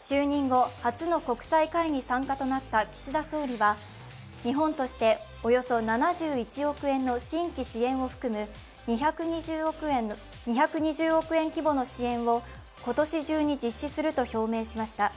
就任後、初の国際会議参加となった岸田総理は日本としておよそ７１億円の新規支援を含む２２０億円規模の支援を今年中に実施すると表明しました。